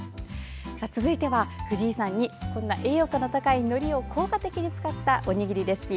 続いては、藤井さんにそんな栄養価の高いのりを効果的に使ったおにぎりレシピ